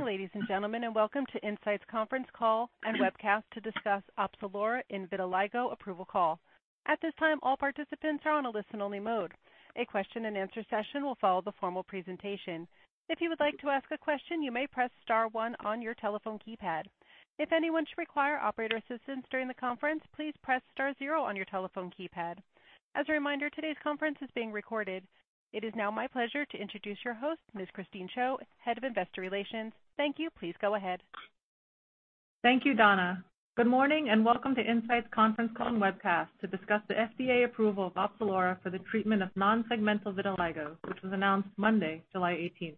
Good morning, ladies and gentlemen, and welcome to Incyte's conference call and webcast to discuss Opzelura in vitiligo approval call. At this time, all participants are on a listen-only mode. A question and answer session will follow the formal presentation. If you would like to ask a question, you may press star one on your telephone keypad. If anyone should require operator assistance during the conference, please press star zero on your telephone keypad. As a reminder, today's conference is being recorded. It is now my pleasure to introduce your host, Ms. Christine Chiou, Head of Investor Relations. Thank you. Please go ahead. Thank you, Donna. Good morning and welcome to Incyte's conference call and webcast to discuss the FDA approval of Opzelura for the treatment of non-segmental vitiligo, which was announced Monday, July 18.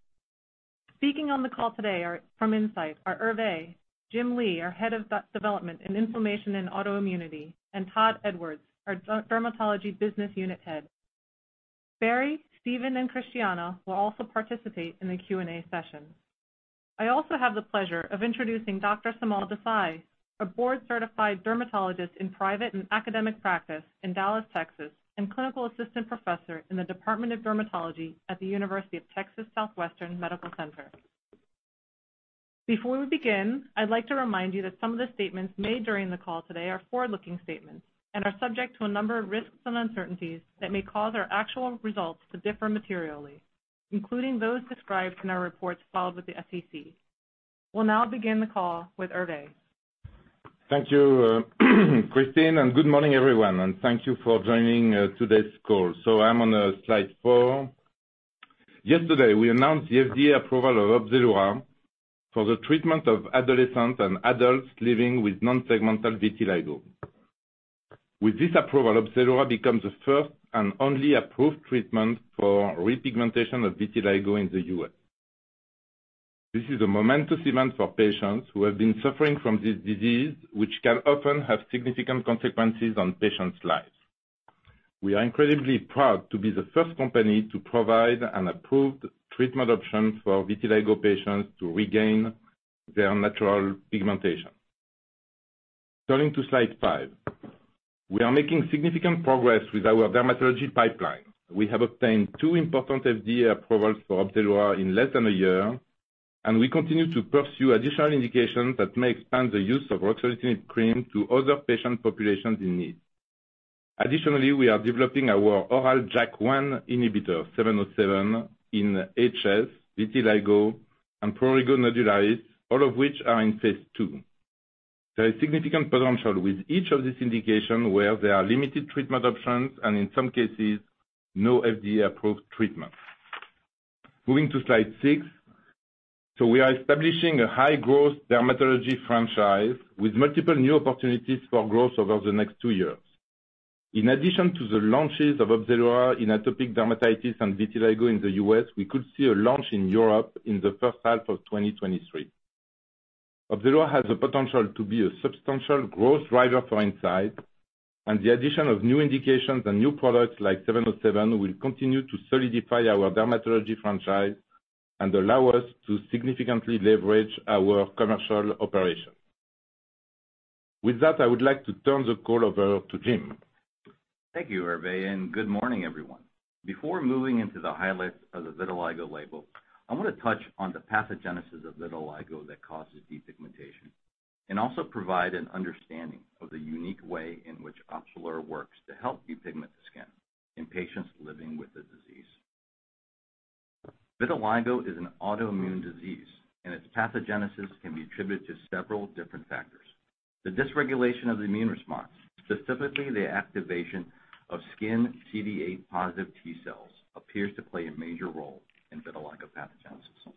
Speaking on the call today from Incyte are Hervé, Jim Lee, our head of development in inflammation and autoimmunity, and Todd Edwards, our dermatology business unit head. Barry, Steven, and Christiana will also participate in the Q&A session. I also have the pleasure of introducing Dr. Seemal Desai, a board-certified dermatologist in private and academic practice in Dallas, Texas, and clinical assistant professor in the Department of Dermatology at the University of Texas Southwestern Medical Center. Before we begin, I'd like to remind you that some of the statements made during the call today are forward-looking statements and are subject to a number of risks and uncertainties that may cause our actual results to differ materially, including those described in our reports filed with the SEC. We'll now begin the call with Hervé. Thank you, Christine, and good morning, everyone, and thank you for joining today's call. I'm on slide four. Yesterday, we announced the FDA approval of Opzelura for the treatment of adolescents and adults living with non-segmental vitiligo. With this approval, Opzelura becomes the first and only approved treatment for repigmentation of vitiligo in the U.S. This is a momentous event for patients who have been suffering from this disease, which can often have significant consequences on patients' lives. We are incredibly proud to be the first company to provide an approved treatment option for vitiligo patients to regain their natural pigmentation. Turning to slide five. We are making significant progress with our dermatology pipeline. We have obtained two important FDA approvals for Opzelura in less than a year, and we continue to pursue additional indications that may expand the use of Opzelura cream to other patient populations in need. Additionally, we are developing our oral JAK1 inhibitor, 707, in HS vitiligo and prurigo nodularis, all of which are in phase two. There is significant potential with each of these indications where there are limited treatment options and, in some cases, no FDA-approved treatment. Moving to slide six. We are establishing a high-growth dermatology franchise with multiple new opportunities for growth over the next two years. In addition to the launches of Opzelura in atopic dermatitis and vitiligo in the U.S., we could see a launch in Europe in the H1 of 2023. Opzelura has the potential to be a substantial growth driver for Incyte, and the addition of new indications and new products like 707 will continue to solidify our dermatology franchise and allow us to significantly leverage our commercial operation. With that, I would like to turn the call over to Jim. Thank you, Hervé, and good morning, everyone. Before moving into the highlights of the vitiligo label, I wanna touch on the pathogenesis of vitiligo that causes depigmentation and also provide an understanding of the unique way in which Opzelura works to help repigment the skin in patients living with the disease. Vitiligo is an autoimmune disease, and its pathogenesis can be attributed to several different factors. The dysregulation of the immune response, specifically the activation of skin CD8 positive T cells, appears to play a major role in vitiligo pathogenesis.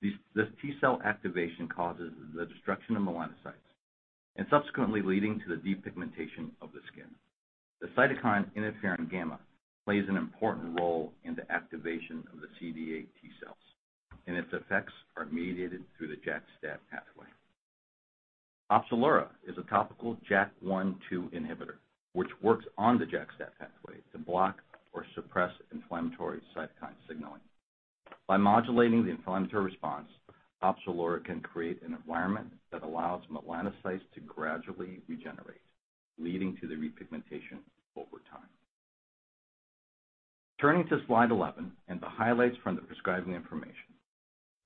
This T cell activation causes the destruction of melanocytes and subsequently leading to the depigmentation of the skin. The cytokine interferon gamma plays an important role in the activation of the CD8 T cells, and its effects are mediated through the JAK-STAT pathway. Opzelura is a topical JAK1/2 inhibitor, which works on the JAK-STAT pathway to block or suppress inflammatory cytokine signaling. By modulating the inflammatory response, Opzelura can create an environment that allows melanocytes to gradually regenerate, leading to the repigmentation over time. Turning to slide 11 and the highlights from the prescribing information.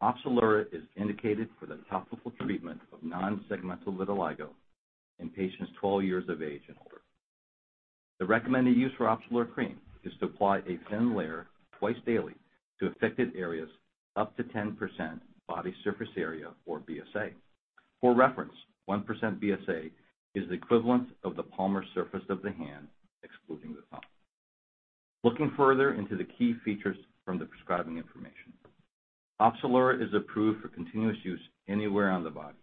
Opzelura is indicated for the topical treatment of non-segmental vitiligo in patients 12 years of age and older. The recommended use for Opzelura cream is to apply a thin layer twice daily to affected areas up to 10% body surface area or BSA. For reference, 1% BSA is the equivalent of the palmar surface of the hand, excluding the thumb. Looking further into the key features from the prescribing information. Opzelura is approved for continuous use anywhere on the body,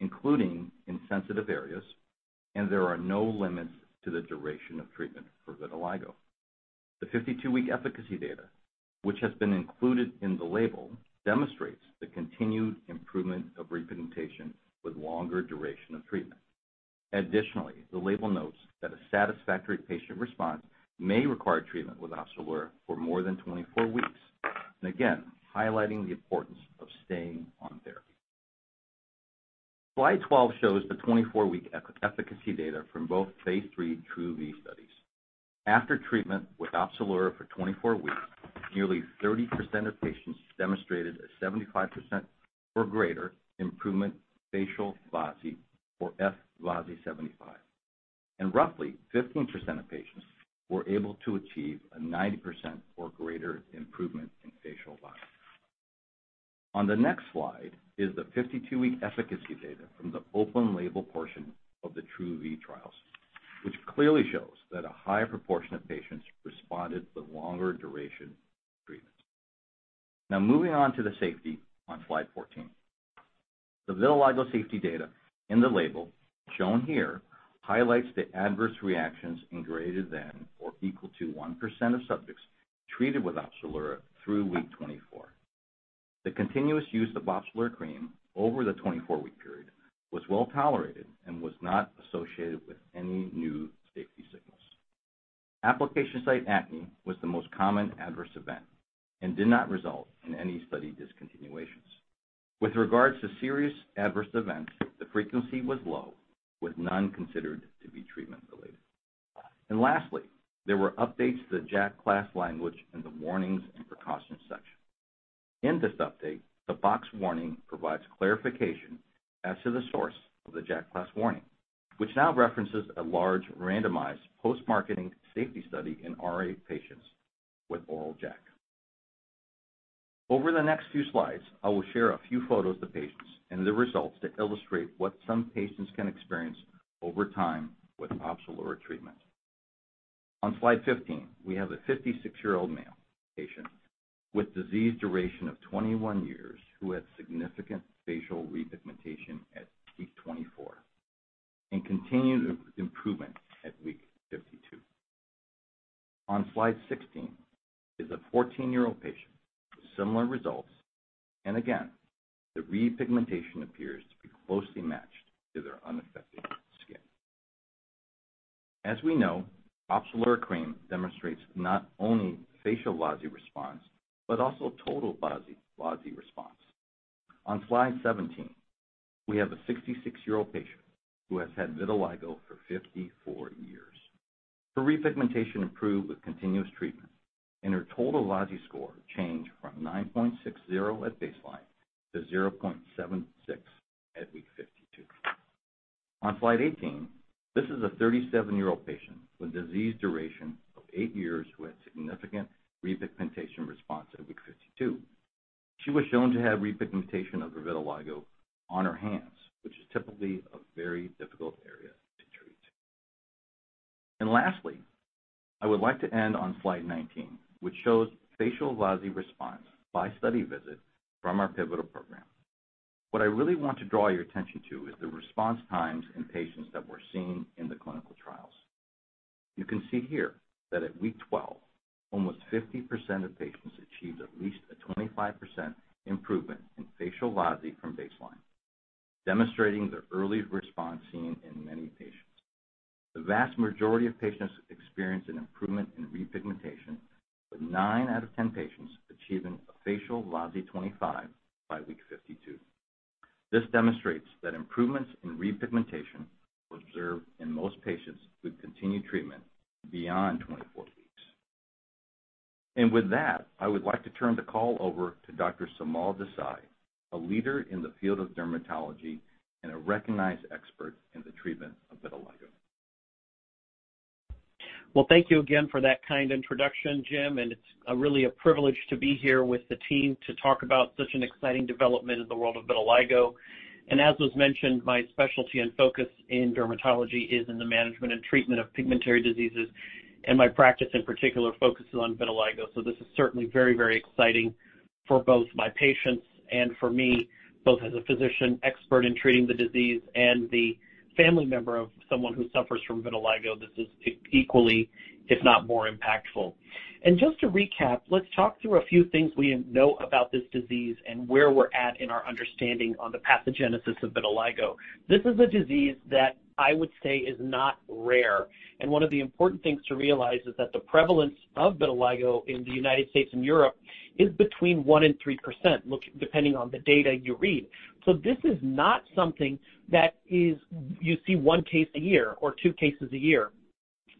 including in sensitive areas, and there are no limits to the duration of treatment for vitiligo. The 52-week efficacy data, which has been included in the label, demonstrates the continued improvement of repigmentation with longer duration of treatment. Additionally, the label notes that a satisfactory patient response may require treatment with Opzelura for more than 24 weeks, and again, highlighting the importance of staying on therapy. Slide 12 shows the 24-week efficacy data from both phase 3 TRuE-V studies. After treatment with Opzelura for 24 weeks, nearly 30% of patients demonstrated a 75% or greater improvement facial VASI, or F-VASI 75, and roughly 15% of patients were able to achieve a 90% or greater improvement in facial VASI. On the next slide is the 52-week efficacy data from the open label portion of the TRuE-V trials, which clearly shows that a higher proportion of patients responded to the longer duration treatment. Now moving on to the safety on slide 14. The vitiligo safety data in the label, shown here, highlights the adverse reactions in greater than or equal to 1% of subjects treated with Opzelura through week 24. The continuous use of Opzelura cream over the 24-week period was well-tolerated and was not associated with any new safety signals. Application site acne was the most common adverse event and did not result in any study discontinuations. With regards to serious adverse events, the frequency was low, with none considered to be treatment related. Lastly, there were updates to the JAK class language in the warnings and precautions section. In this update, the box warning provides clarification as to the source of the JAK class warning, which now references a large randomized post-marketing safety study in RA patients with oral JAK. Over the next few slides, I will share a few photos of patients and the results to illustrate what some patients can experience over time with Opzelura treatment. On slide 15, we have a 56-year-old male patient with disease duration of 21 years who had significant facial repigmentation at week 24 and continued improvement at week 52. On slide 16 is a 14-year-old patient with similar results, and again, the repigmentation appears to be closely matched to their unaffected skin. As we know, Opzelura cream demonstrates not only facial VASI response, but also total VASI response. On slide 17, we have a 66-year-old patient who has had vitiligo for 54 years. Her repigmentation improved with continuous treatment, and her total VASI score changed from 9.60 at baseline to 0.76 at week 52. On slide 18, this is a 37-year-old patient with disease duration of eight years who had significant repigmentation response at week 52. She was shown to have repigmentation of her vitiligo on her hands, which is typically a very difficult area to treat. Lastly, I would like to end on slide 19, which shows facial VASI response by study visit from our pivotal program. What I really want to draw your attention to is the response times in patients that were seen in the clinical trials. You can see here that at week 12, almost 50% of patients achieved at least a 25% improvement in facial VASI from baseline, demonstrating the early response seen in many patients. The vast majority of patients experienced an improvement in repigmentation, with nine out of 10 patients achieving a facial VLASI 25 by week 52. This demonstrates that improvements in repigmentation were observed in most patients with continued treatment beyond 24 weeks. With that, I would like to turn the call over to Dr. Seemal Desai, a leader in the field of dermatology and a recognized expert in the treatment of vitiligo. Well, thank you again for that kind introduction, Jim, and it's really a privilege to be here with the team to talk about such an exciting development in the world of vitiligo. As was mentioned, my specialty and focus in dermatology is in the management and treatment of pigmentary diseases, and my practice in particular focuses on vitiligo. This is certainly very, very exciting for both my patients and for me, both as a physician expert in treating the disease and the family member of someone who suffers from vitiligo. This is equally, if not more impactful. Just to recap, let's talk through a few things we know about this disease and where we're at in our understanding on the pathogenesis of vitiligo. This is a disease that I would say is not rare. One of the important things to realize is that the prevalence of vitiligo in the United States and Europe is between 1%-3% depending on the data you read. This is not something that is you see one case a year or two cases a year.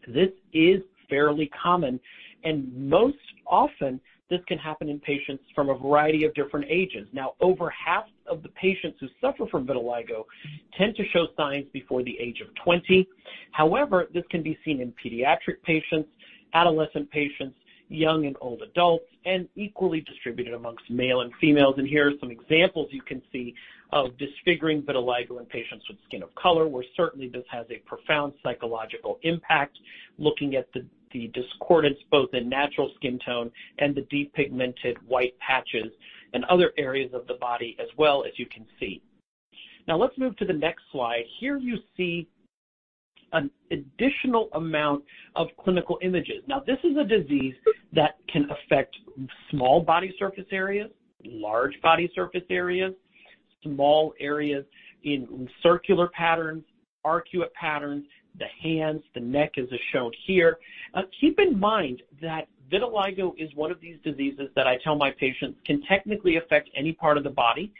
This is fairly common, and most often this can happen in patients from a variety of different ages. Now, over half of the patients who suffer from vitiligo tend to show signs before the age of 20. However, this can be seen in pediatric patients, adolescent patients, young and old adults, and equally distributed amongst male and females. Here are some examples you can see of disfiguring vitiligo in patients with skin of color, where certainly this has a profound psychological impact, looking at the discordance both in natural skin tone and the depigmented white patches in other areas of the body as well, as you can see. Now let's move to the next slide. Here, you see an additional amount of clinical images. Now, this is a disease that can affect small body surface areas, large body surface areas, small areas in circular patterns, arcuate patterns, the hands, the neck, as is shown here. Keep in mind that vitiligo is one of these diseases that I tell my patients can technically affect any part of the body.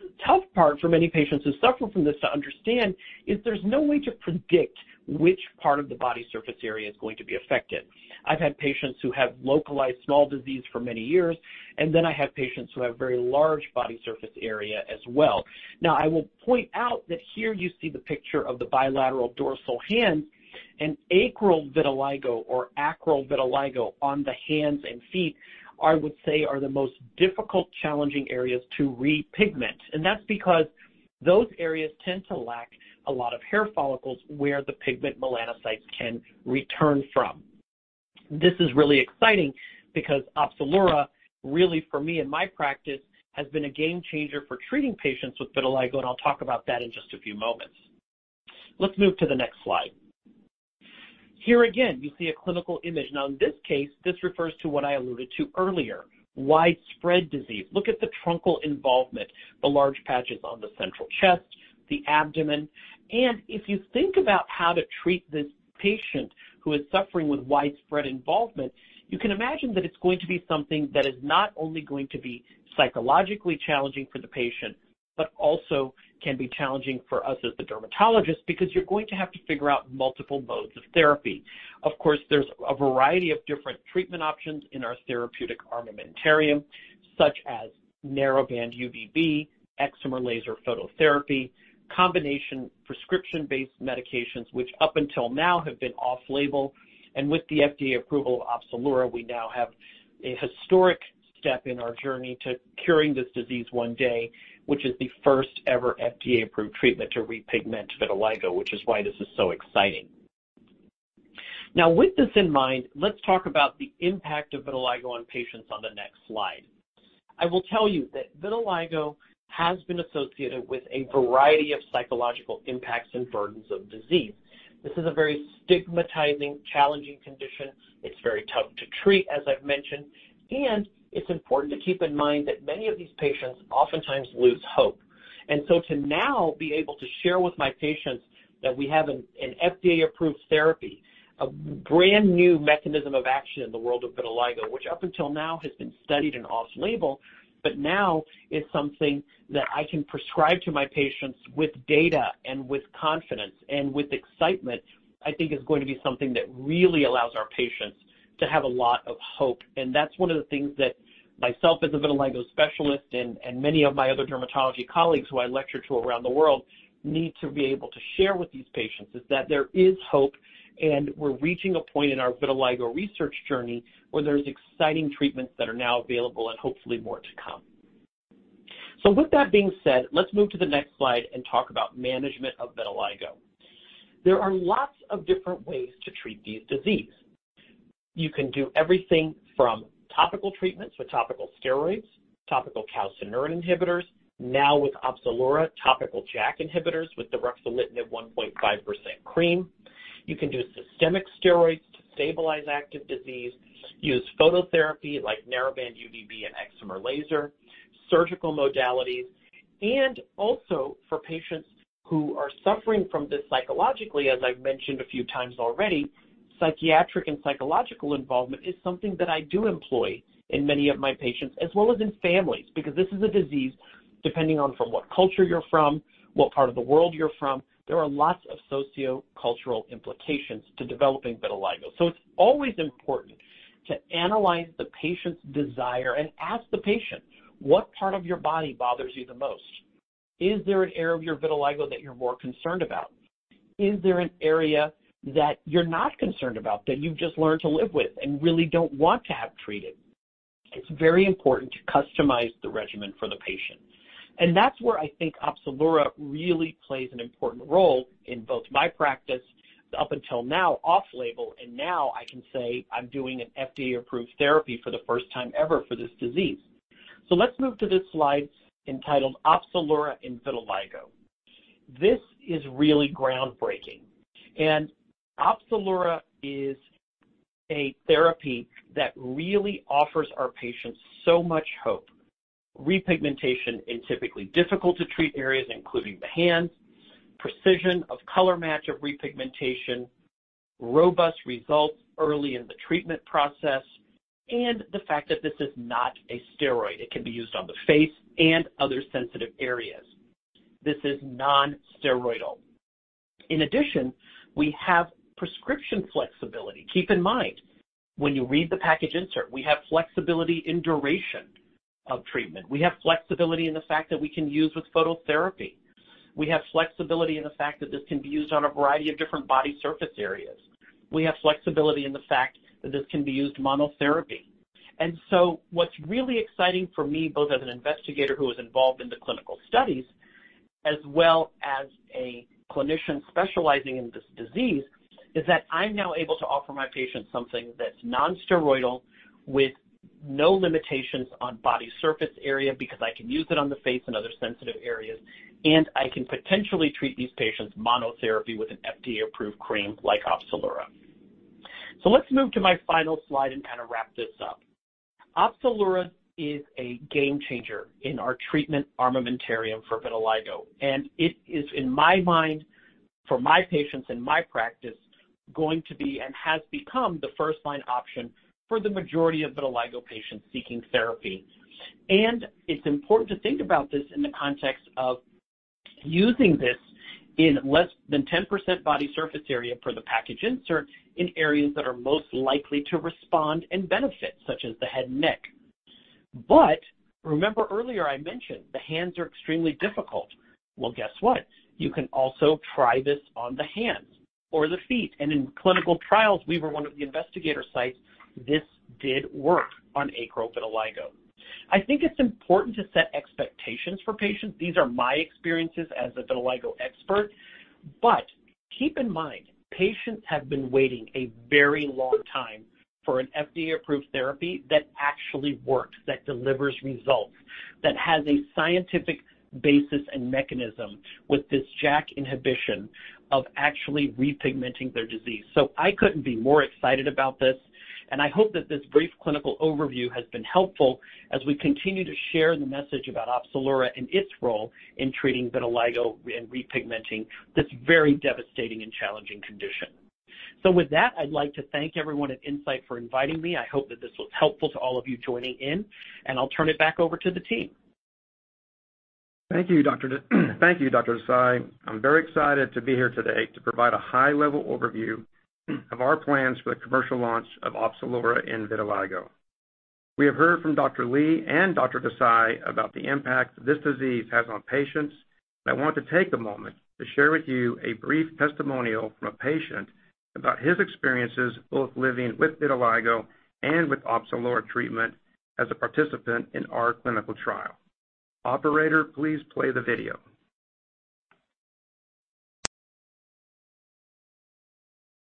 The tough part for many patients who suffer from this to understand is there's no way to predict which part of the body surface area is going to be affected. I've had patients who have localized small disease for many years, and then I have patients who have very large body surface area as well. Now, I will point out that here you see the picture of the bilateral dorsal hand and acral vitiligo on the hands and feet, I would say are the most difficult, challenging areas to repigment. That's because those areas tend to lack a lot of hair follicles where the pigment melanocytes can return from. This is really exciting because Opzelura really for me in my practice, has been a game changer for treating patients with vitiligo, and I'll talk about that in just a few moments. Let's move to the next slide. Here again, you see a clinical image. Now in this case, this refers to what I alluded to earlier, widespread disease. Look at the truncal involvement, the large patches on the central chest, the abdomen. If you think about how to treat this patient who is suffering with widespread involvement, you can imagine that it's going to be something that is not only going to be psychologically challenging for the patient, but also can be challenging for us as the dermatologist, because you're going to have to figure out multiple modes of therapy. Of course, there's a variety of different treatment options in our therapeutic armamentarium, such as narrowband UVB, excimer laser phototherapy, combination prescription-based medications, which up until now have been off-label. With the FDA approval of Opzelura, we now have a historic step in our journey to curing this disease one day, which is the first ever FDA-approved treatment to repigment vitiligo, which is why this is so exciting. Now, with this in mind, let's talk about the impact of vitiligo on patients on the next slide. I will tell you that vitiligo has been associated with a variety of psychological impacts and burdens of disease. This is a very stigmatizing, challenging condition. It's very tough to treat, as I've mentioned, and it's important to keep in mind that many of these patients oftentimes lose hope. To now be able to share with my patients that we have an FDA-approved therapy, a brand-new mechanism of action in the world of vitiligo, which up until now has been studied in off-label, but now is something that I can prescribe to my patients with data and with confidence and with excitement, I think is going to be something that really allows our patients to have a lot of hope. That's one of the things that myself as a vitiligo specialist and many of my other dermatology colleagues who I lecture to around the world need to be able to share with these patients, is that there is hope, and we're reaching a point in our vitiligo research journey where there's exciting treatments that are now available and hopefully more to come. With that being said, let's move to the next slide and talk about management of vitiligo. There are lots of different ways to treat this disease. You can do everything from topical treatments with topical steroids, topical calcineurin inhibitors. Now with Opzelura, topical JAK inhibitors with the ruxolitinib 1.5% cream. You can do systemic steroids to stabilize active disease, use phototherapy like narrowband UVB and excimer laser, surgical modalities, and also for patients who are suffering from this psychologically, as I've mentioned a few times already, psychiatric and psychological involvement is something that I do employ in many of my patients as well as in families, because this is a disease, depending on from what culture you're from, what part of the world you're from, there are lots of sociocultural implications to developing vitiligo. It's always important to analyze the patient's desire and ask the patient, "What part of your body bothers you the most? Is there an area of your vitiligo that you're more concerned about? Is there an area that you're not concerned about, that you've just learned to live with and really don't want to have treated?" It's very important to customize the regimen for the patient. That's where I think Opzelura really plays an important role in both my practice up until now off-label, and now I can say I'm doing an FDA-approved therapy for the first time ever for this disease. Let's move to this slide entitled Opzelura in vitiligo. This is really groundbreaking. Opzelura is a therapy that really offers our patients so much hope. Repigmentation in typically difficult to treat areas, including the hands, precision of color match of repigmentation, robust results early in the treatment process, and the fact that this is not a steroid. It can be used on the face and other sensitive areas. This is non-steroidal. In addition, we have prescription flexibility. Keep in mind, when you read the package insert, we have flexibility in duration of treatment. We have flexibility in the fact that we can use with phototherapy. We have flexibility in the fact that this can be used on a variety of different body surface areas. We have flexibility in the fact that this can be used monotherapy. What's really exciting for me, both as an investigator who was involved in the clinical studies, as well as a clinician specializing in this disease, is that I'm now able to offer my patients something that's non-steroidal with no limitations on body surface area because I can use it on the face and other sensitive areas, and I can potentially treat these patients monotherapy with an FDA-approved cream like Opzelura. Let's move to my final slide and kind of wrap this up. Opzelura is a game changer in our treatment armamentarium for vitiligo, and it is, in my mind, for my patients and my practice, going to be and has become the first-line option for the majority of vitiligo patients seeking therapy. It's important to think about this in the context of using this in less than 10% body surface area per the package insert in areas that are most likely to respond and benefit, such as the head and neck. Remember earlier I mentioned the hands are extremely difficult. Well, guess what? You can also try this on the hands or the feet. In clinical trials, we were one of the investigator sites, this did work on acral vitiligo. I think it's important to set expectations for patients. These are my experiences as a vitiligo expert. Keep in mind, patients have been waiting a very long time for an FDA-approved therapy that actually works, that delivers results, that has a scientific basis and mechanism with this JAK inhibition of actually repigmenting their disease. I couldn't be more excited about this, and I hope that this brief clinical overview has been helpful as we continue to share the message about Opzelura and its role in treating vitiligo and repigmenting this very devastating and challenging condition. With that, I'd like to thank everyone at Incyte for inviting me. I hope that this was helpful to all of you joining in, and I'll turn it back over to the team. Thank you, Dr. Desai. I'm very excited to be here today to provide a high-level overview of our plans for the commercial launch of Opzelura in vitiligo. We have heard from Dr. Lee and Dr. Desai about the impact this disease has on patients. I want to take a moment to share with you a brief testimonial from a patient about his experiences, both living with vitiligo and with Opzelura treatment as a participant in our clinical trial. Operator, please play the video.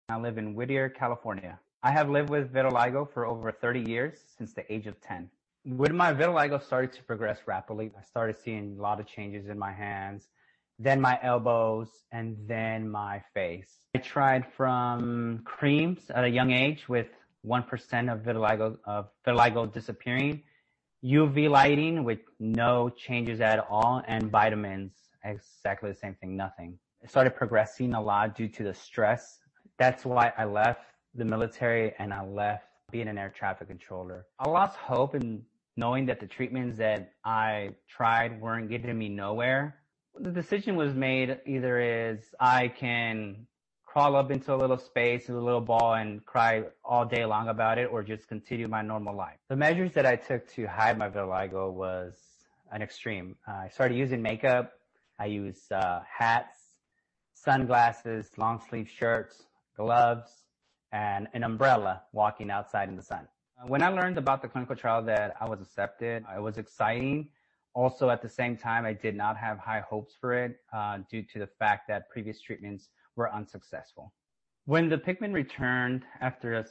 I live in Whittier, California. I have lived with vitiligo for over 30 years, since the age of 10. When my vitiligo started to progress rapidly, I started seeing a lot of changes in my hands, then my elbows, and then my face. I tried from creams at a young age with 1% of vitiligo disappearing, UV lighting with no changes at all, and vitamins, exactly the same thing, nothing. It started progressing a lot due to the stress. That's why I left the military and I left being an air traffic controller. I lost hope in knowing that the treatments that I tried weren't getting me nowhere. The decision was made, either is I can crawl up into a little space with a little ball and cry all day long about it or just continue my normal life. The measures that I took to hide my vitiligo was an extreme. I started using makeup. I used hats, sunglasses, long-sleeve shirts, gloves, and an umbrella walking outside in the sun. When I learned about the clinical trial that I was accepted, it was exciting. Also, at the same time, I did not have high hopes for it, due to the fact that previous treatments were unsuccessful. When the pigment returned after a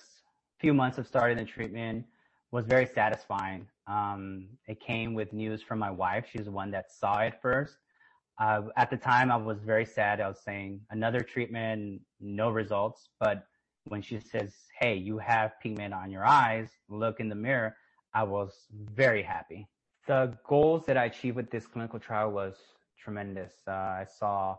few months of starting the treatment, was very satisfying. It came with news from my wife. She's the one that saw it first. At the time, I was very sad. I was saying, "Another treatment, no results." When she says, "Hey, you have pigment on your eyes. Look in the mirror," I was very happy. The goals that I achieved with this clinical trial was tremendous. I saw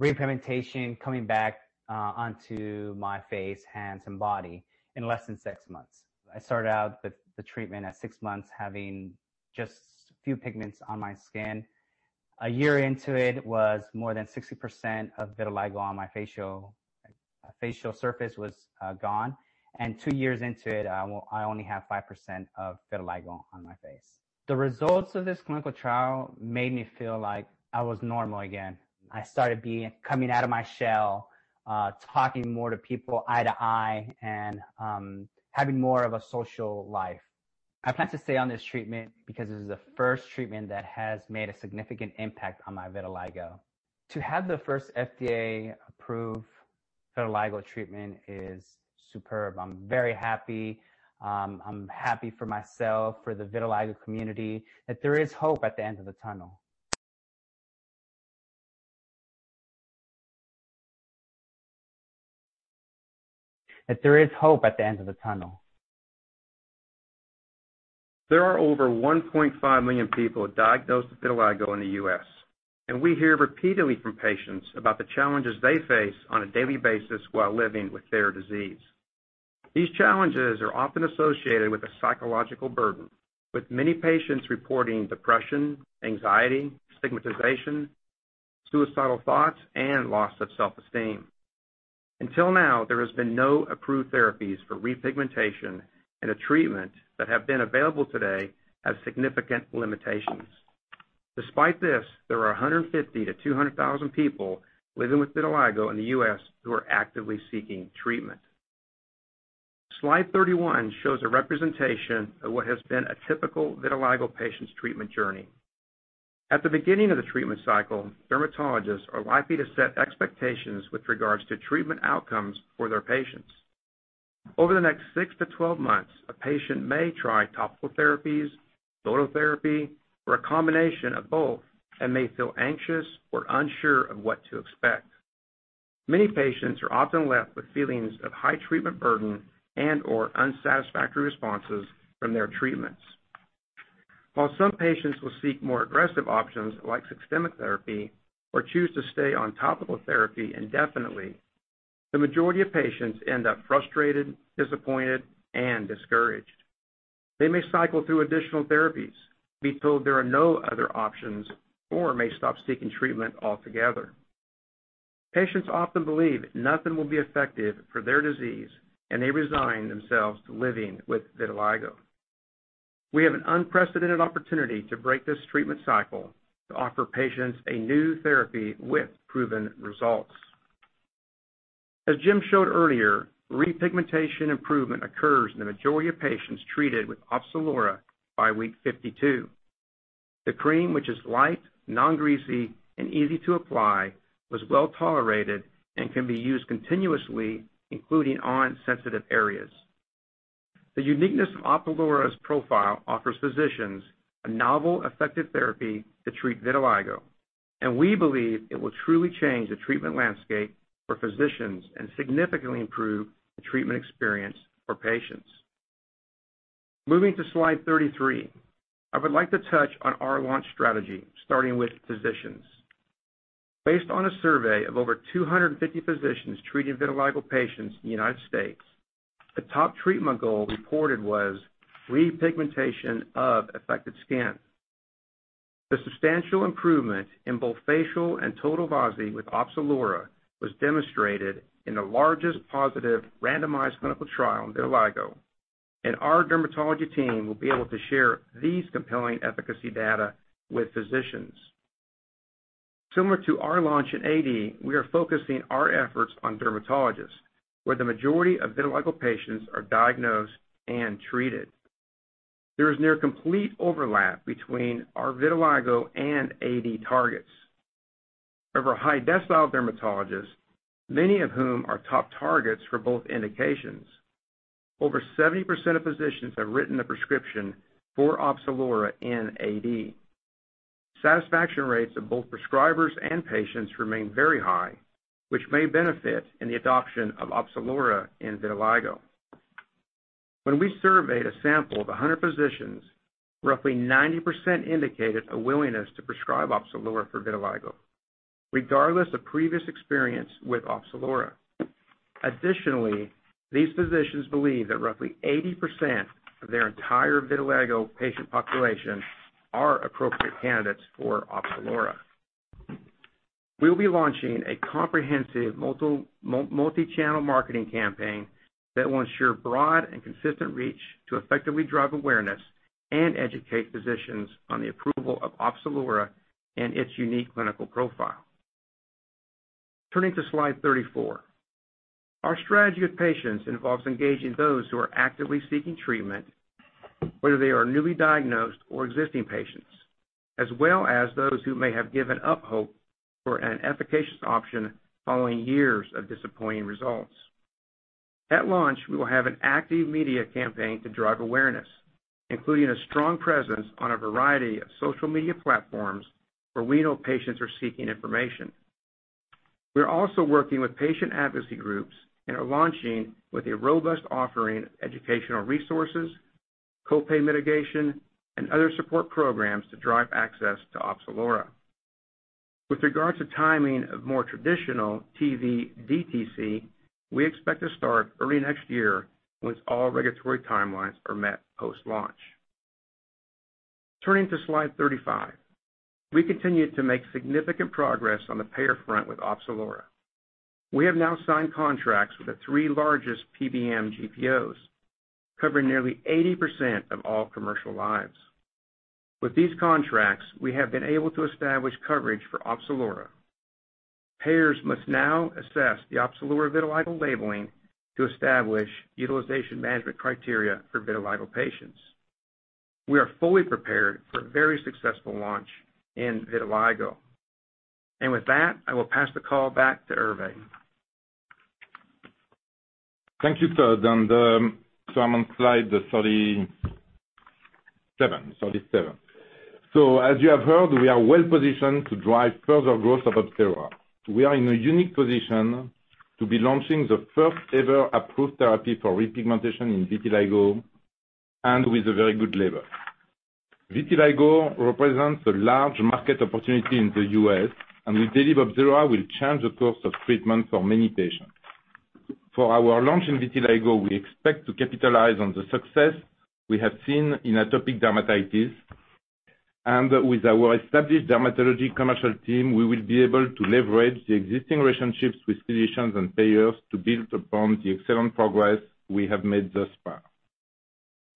repigmentation coming back onto my face, hands, and body in less than six months. I started out with the treatment at six months, having just a few pigments on my skin. A year into it was more than 60% of vitiligo on my facial surface was gone. Two years into it, I only have 5% of vitiligo on my face. The results of this clinical trial made me feel like I was normal again. I started coming out of my shell, talking more to people eye to eye, and having more of a social life. I plan to stay on this treatment because this is the first treatment that has made a significant impact on my vitiligo. To have the first FDA-approved vitiligo treatment is superb. I'm very happy. I'm happy for myself, for the vitiligo community, that there is hope at the end of the tunnel. There are over 1.5 million people diagnosed with vitiligo in the U.S., and we hear repeatedly from patients about the challenges they face on a daily basis while living with their disease. These challenges are often associated with a psychological burden, with many patients reporting depression, anxiety, stigmatization, suicidal thoughts, and loss of self-esteem. Until now, there has been no approved therapies for repigmentation, and the treatment that have been available today have significant limitations. Despite this, there are 150,000-200,000 people living with vitiligo in the U.S. who are actively seeking treatment. Slide 31 shows a representation of what has been a typical vitiligo patient's treatment journey. At the beginning of the treatment cycle, dermatologists are likely to set expectations with regards to treatment outcomes for their patients. Over the next 6-12 months, a patient may try topical therapies, phototherapy, or a combination of both, and may feel anxious or unsure of what to expect. Many patients are often left with feelings of high treatment burden and/or unsatisfactory responses from their treatments. While some patients will seek more aggressive options like systemic therapy or choose to stay on topical therapy indefinitely, the majority of patients end up frustrated, disappointed, and discouraged. They may cycle through additional therapies, be told there are no other options, or may stop seeking treatment altogether. Patients often believe nothing will be effective for their disease, and they resign themselves to living with vitiligo. We have an unprecedented opportunity to break this treatment cycle to offer patients a new therapy with proven results. As Jim showed earlier, repigmentation improvement occurs in the majority of patients treated with Opzelura by week 52. The cream, which is light, non-greasy, and easy to apply, was well tolerated and can be used continuously, including on sensitive areas. The uniqueness of Opzelura's profile offers physicians a novel, effective therapy to treat vitiligo, and we believe it will truly change the treatment landscape for physicians and significantly improve the treatment experience for patients. Moving to slide 33. I would like to touch on our launch strategy, starting with physicians. Based on a survey of over 250 physicians treating vitiligo patients in the United States, the top treatment goal reported was repigmentation of affected skin. The substantial improvement in both facial and total VASI with Opzelura was demonstrated in the largest positive randomized clinical trial in vitiligo, and our dermatology team will be able to share these compelling efficacy data with physicians. Similar to our launch in AD, we are focusing our efforts on dermatologists, where the majority of vitiligo patients are diagnosed and treated. There is near complete overlap between our vitiligo and AD targets. Of our high decile dermatologists, many of whom are top targets for both indications, over 70% of physicians have written a prescription for Opzelura in AD. Satisfaction rates of both prescribers and patients remain very high, which may benefit in the adoption of Opzelura in vitiligo. When we surveyed a sample of 100 physicians, roughly 90% indicated a willingness to prescribe Opzelura for vitiligo, regardless of previous experience with Opzelura. Additionally, these physicians believe that roughly 80% of their entire vitiligo patient population are appropriate candidates for Opzelura. We will be launching a comprehensive multi-channel marketing campaign that will ensure broad and consistent reach to effectively drive awareness and educate physicians on the approval of Opzelura and its unique clinical profile. Turning to slide 34. Our strategy with patients involves engaging those who are actively seeking treatment, whether they are newly diagnosed or existing patients, as well as those who may have given up hope for an efficacious option following years of disappointing results. At launch, we will have an active media campaign to drive awareness, including a strong presence on a variety of social media platforms where we know patients are seeking information. We are also working with patient advocacy groups and are launching with a robust offering of educational resources, co-pay mitigation, and other support programs to drive access to Opzelura. With regards to timing of more traditional TV DTC, we expect to start early next year once all regulatory timelines are met post-launch. Turning to slide 35. We continue to make significant progress on the payer front with Opzelura. We have now signed contracts with the three largest PBM GPOs, covering nearly 80% of all commercial lives. With these contracts, we have been able to establish coverage for Opzelura. Payers must now assess the Opzelura vitiligo labeling to establish utilization management criteria for vitiligo patients. We are fully prepared for a very successful launch in vitiligo. With that, I will pass the call back to Hervé. Thank you, Todd. I'm on slide seven. As you have heard, we are well positioned to drive further growth of Opzelura. We are in a unique position to be launching the first ever approved therapy for repigmentation in vitiligo and with a very good label. Vitiligo represents a large market opportunity in the U.S. and we believe Opzelura will change the course of treatment for many patients. For our launch in vitiligo, we expect to capitalize on the success we have seen in atopic dermatitis. With our established dermatology commercial team, we will be able to leverage the existing relationships with physicians and payers to build upon the excellent progress we have made thus far.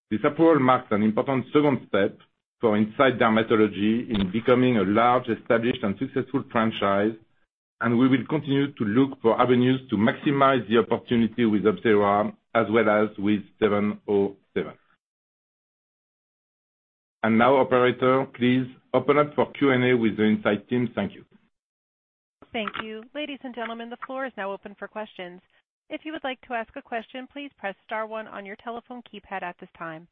This approval marks an important second step for Incyte Dermatology in becoming a large, established, and successful franchise, and we will continue to look for avenues to maximize the opportunity with Opzelura as well as with 707. Now, operator, please open up for Q&A with the Incyte team. Thank you. Thank you. Ladies and gentlemen, the floor is now open for questions. If you would like to ask a question, please press star one on your telephone keypad at this time.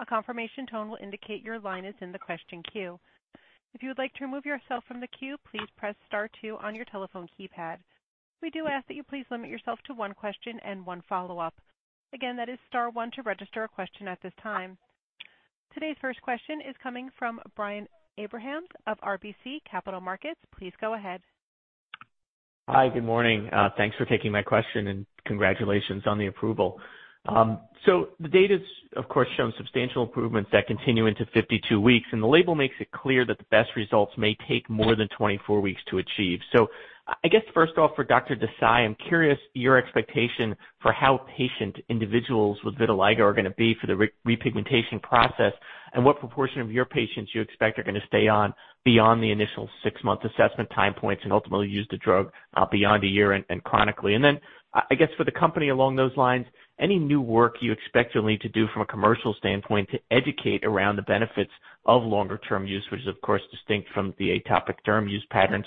A confirmation tone will indicate your line is in the question queue. If you would like to remove yourself from the queue, please press star two on your telephone keypad. We do ask that you please limit yourself to one question and one follow-up. Again, that is star one to register a question at this time. Today's first question is coming from Brian Abrahams of RBC Capital Markets. Please go ahead. Hi. Good morning. Thanks for taking my question, and congratulations on the approval. The data's, of course, shown substantial improvements that continue into 52 weeks, and the label makes it clear that the best results may take more than 24 weeks to achieve. I guess first off, for Dr. Desai, I'm curious your expectation for how patient individuals with vitiligo are gonna be for the repigmentation process and what proportion of your patients you expect are gonna stay on beyond the initial six-month assessment time points and ultimately use the drug beyond a year and chronically. I guess for the company along those lines, any new work you expect you'll need to do from a commercial standpoint to educate around the benefits of longer-term use, which is of course distinct from the atopic derm use patterns.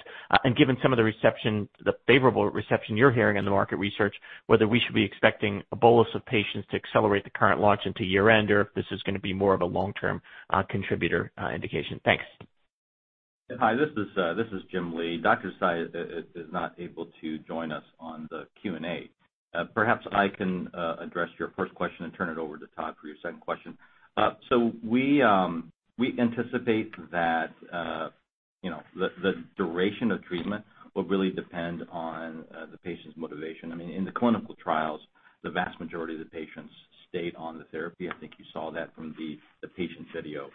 Given some of the reception, the favorable reception you're hearing in the market research, whether we should be expecting a bolus of patients to accelerate the current launch into year-end, or if this is gonna be more of a long-term contributor, indication? Thanks. Hi, this is Jim Lee. Dr. Desai is not able to join us on the Q&A. Perhaps I can address your first question and turn it over to Todd for your second question. We anticipate that, you know, the duration of treatment will really depend on the patient's motivation. I mean, in the clinical trials, the vast majority of the patients stayed on the therapy. I think you saw that from the patient video.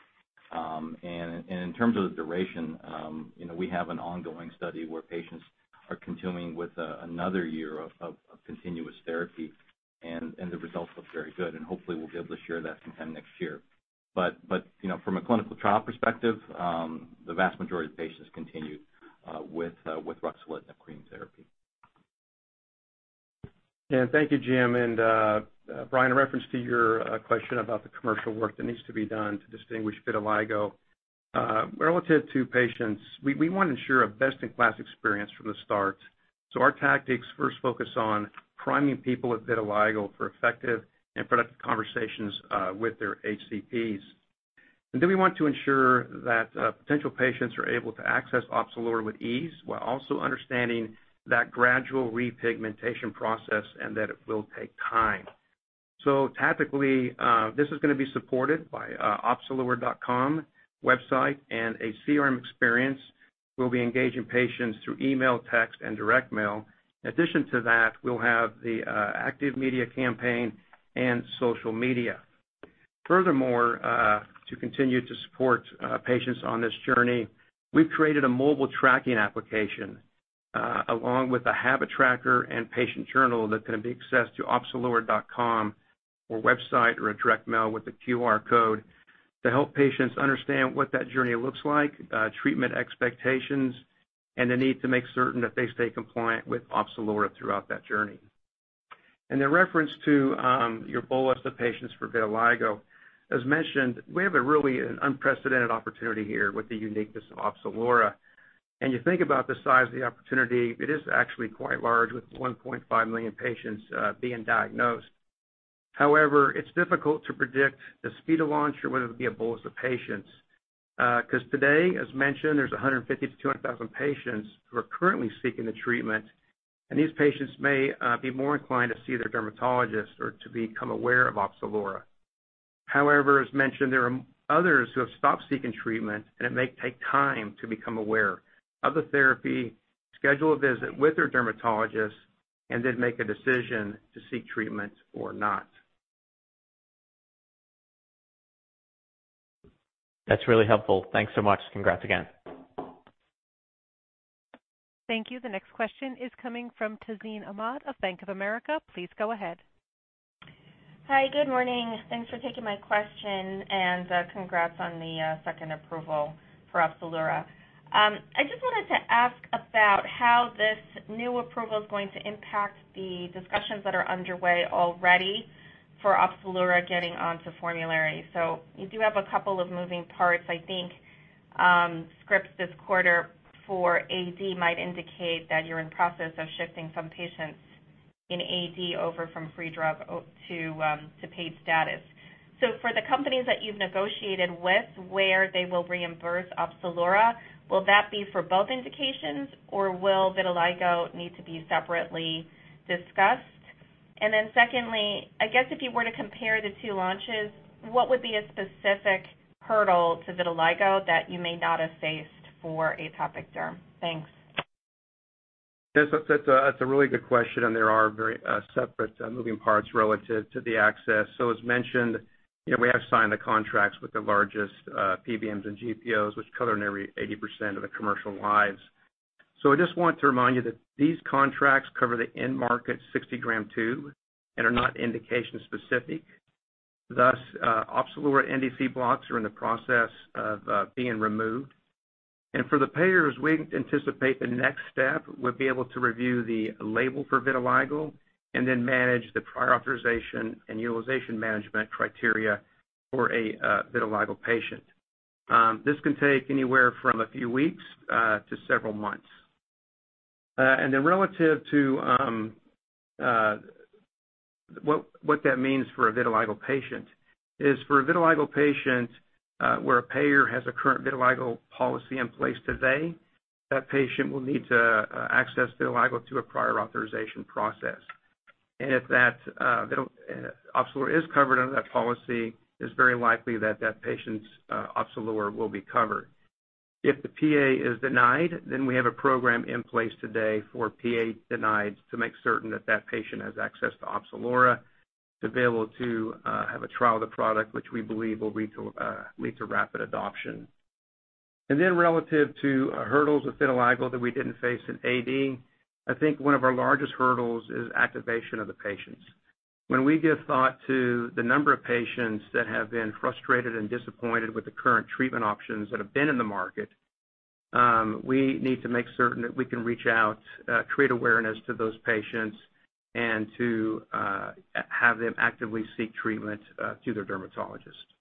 In terms of the duration, you know, we have an ongoing study where patients are continuing with another year of continuous therapy and the results look very good. Hopefully we'll be able to share that with you next year. You know, from a clinical trial perspective, the vast majority of patients continued with ruxolitinib cream therapy. Thank you, Jim. Brian, in reference to your question about the commercial work that needs to be done to distinguish vitiligo relative to patients, we wanna ensure a best-in-class experience from the start. Our tactics first focus on priming people with vitiligo for effective and productive conversations with their HCPs. Then we want to ensure that potential patients are able to access Opzelura with ease while also understanding that gradual repigmentation process and that it will take time. Tactically, this is gonna be supported by opzelura.com website, and a CRM experience will be engaging patients through email, text, and direct mail. In addition to that, we'll have the active media campaign and social media. Furthermore, to continue to support patients on this journey, we've created a mobile tracking application, along with a habit tracker and patient journal that can be accessed through opzelura.com or website or a direct mail with a QR code to help patients understand what that journey looks like, treatment expectations, and the need to make certain that they stay compliant with Opzelura throughout that journey. In reference to your bolus of patients for vitiligo, as mentioned, we have a really unprecedented opportunity here with the uniqueness of Opzelura. You think about the size of the opportunity, it is actually quite large with 1.5 million patients being diagnosed. However, it's difficult to predict the speed of launch or whether it'll be a bolus of patients. 'Cause today, as mentioned, there's 150-200 thousand patients who are currently seeking the treatment, and these patients may be more inclined to see their dermatologist or to become aware of Opzelura. However, as mentioned, there are others who have stopped seeking treatment, and it may take time to become aware of the therapy, schedule a visit with their dermatologist, and then make a decision to seek treatment or not. That's really helpful. Thanks so much. Congrats again. Thank you. The next question is coming from Tazeen Ahmad of Bank of America. Please go ahead. Hi, good morning. Thanks for taking my question, and congrats on the second approval for Opzelura. I just wanted to ask about how this new approval is going to impact the discussions that are underway already for Opzelura getting onto formulary. You do have a couple of moving parts. I think scripts this quarter for AD might indicate that you're in process of shifting some patients in AD over from free drug to paid status. For the companies that you've negotiated with where they will reimburse Opzelura, will that be for both indications, or will vitiligo need to be separately discussed? Secondly, I guess if you were to compare the two launches, what would be a specific hurdle to vitiligo that you may not have faced for atopic derm? Thanks. Yes, that's a really good question, and there are very separate moving parts relative to the access. As mentioned, you know, we have signed the contracts with the largest PBMs and GPOs, which cover nearly 80% of the commercial lives. I just want to remind you that these contracts cover the end market 60-gram tube and are not indication-specific. Thus, Opzelura NDC blocks are in the process of being removed. For the payers, we anticipate the next step would be able to review the label for vitiligo and then manage the prior authorization and utilization management criteria for a vitiligo patient. This can take anywhere from a few weeks to several months. Relative to what that means for a vitiligo patient is for a vitiligo patient where a payer has a current vitiligo policy in place today, that patient will need to access vitiligo through a prior authorization process. If Opzelura is covered under that policy, it's very likely that that patient's Opzelura will be covered. If the PA is denied, then we have a program in place today for PA denied to make certain that that patient has access to Opzelura to be able to have a trial of the product, which we believe will lead to rapid adoption. Relative to hurdles with vitiligo that we didn't face in AD, I think one of our largest hurdles is activation of the patients. When we give thought to the number of patients that have been frustrated and disappointed with the current treatment options that have been in the market, we need to make certain that we can reach out, create awareness to those patients and to have them actively seek treatment through their dermatologist.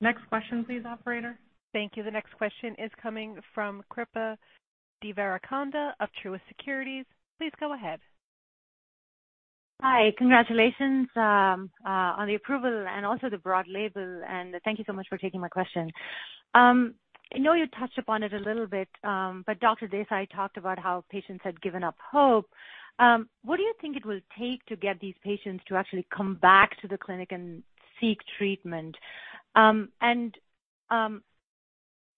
Next question, please, operator. Thank you. The next question is coming from Srikripa Devarakonda of Truist Securities. Please go ahead. Hi. Congratulations on the approval and also the broad label, and thank you so much for taking my question. I know you touched upon it a little bit, but Dr. Desai talked about how patients had given up hope. What do you think it will take to get these patients to actually come back to the clinic and seek treatment?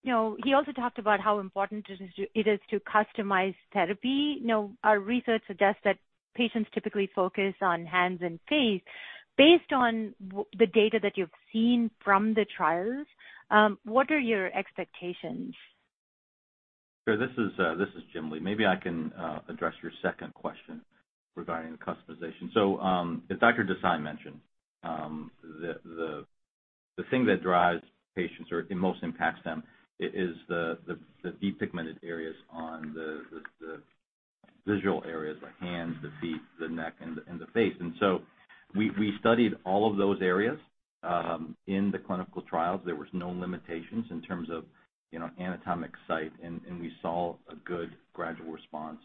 You know, he also talked about how important it is to customize therapy. You know, our research suggests that patients typically focus on hands and face. Based on the data that you've seen from the trials, what are your expectations? Sure. This is Jim Lee. Maybe I can address your second question regarding the customization. As Dr. Desai mentioned, the thing that drives patients or most impacts them is the depigmented areas on the visual areas, the hands, the feet, the neck, and the face. We studied all of those areas in the clinical trials. There was no limitations in terms of, you know, anatomic site, and we saw a good gradual response,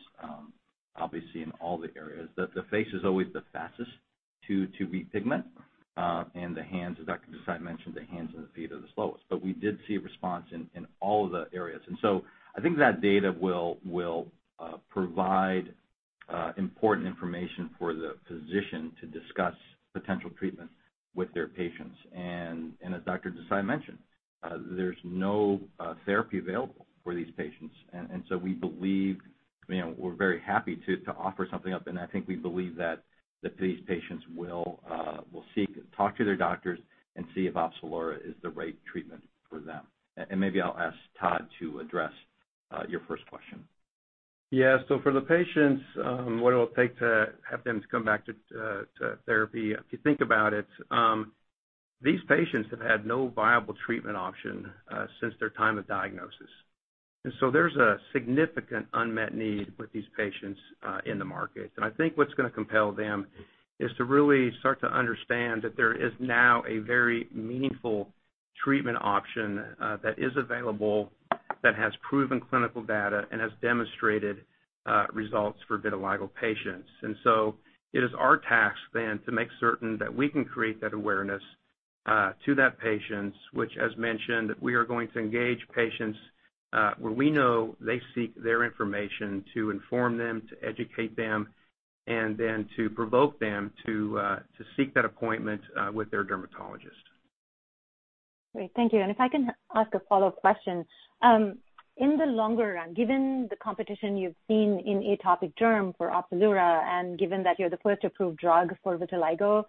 obviously in all the areas. The face is always the fastest to repigment, and the hands, as Dr. Desai mentioned, the hands and the feet are the slowest. We did see a response in all of the areas. I think that data will provide important information for the physician to discuss potential treatments with their patients. As Dr. Seemal Desai mentioned, there's no therapy available for these patients. We believe, you know, we're very happy to offer something up. I think we believe that these patients will seek to talk to their doctors and see if Opzelura is the right treatment for them. Maybe I'll ask Todd Edwards to address your first question. Yeah. For the patients, what it will take to have them to come back to therapy. If you think about it, these patients have had no viable treatment option since their time of diagnosis. There's a significant unmet need with these patients in the market. I think what's gonna compel them is to really start to understand that there is now a very meaningful treatment option that is available, that has proven clinical data and has demonstrated results for vitiligo patients. It is our task then to make certain that we can create that awareness to those patients, which as mentioned, we are going to engage patients where we know they seek their information to inform them, to educate them, and then to provoke them to seek that appointment with their dermatologist. Great. Thank you. If I can ask a follow-up question. In the longer run, given the competition you've seen in atopic derm for Opzelura and given that you're the first approved drug for vitiligo,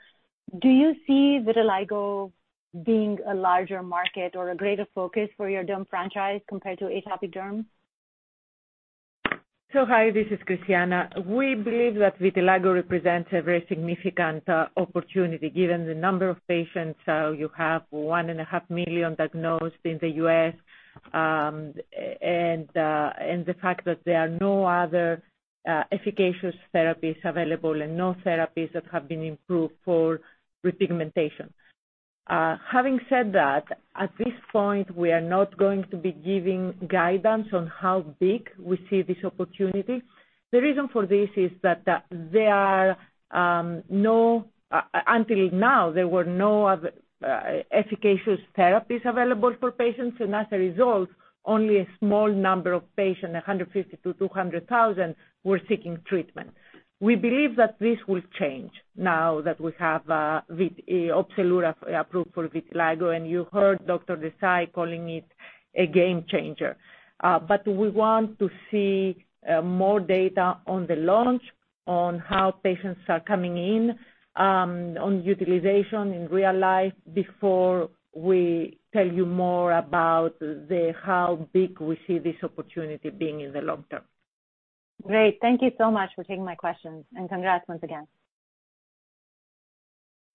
do you see vitiligo being a larger market or a greater focus for your derm franchise compared to atopic derm? Hi, this is Cristiana. We believe that vitiligo represents a very significant opportunity given the number of patients. You have 1.5 million diagnosed in the U.S., and the fact that there are no other efficacious therapies available and no therapies that have been approved for repigmentation. Having said that, at this point, we are not going to be giving guidance on how big we see this opportunity. The reason for this is that, until now, there were no other efficacious therapies available for patients, and as a result, only a small number of patients, 150,000-200,000, were seeking treatment. We believe that this will change now that we have Opzelura approved for vitiligo, and you heard Dr. Desai calling it a game changer. We want to see more data on the launch, on how patients are coming in, on utilization in real life before we tell you more about the how big we see this opportunity being in the long term. Great. Thank you so much for taking my questions, and congrats once again.